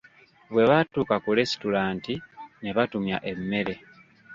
Bwe baatuuka ku lesitulanti ne batumya emmere.